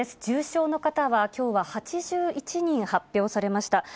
重症の方はきょうは８１人発表されました。